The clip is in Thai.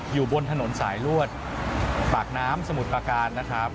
อยู่บนถนนสายลวดปากน้ำสมุทรประการนะครับ